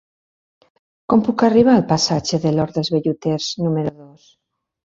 Com puc arribar al passatge de l'Hort dels Velluters número dos?